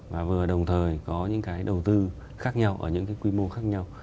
và vừa đồng thời có những cái đầu tư khác nhau ở những cái quy mô khác nhau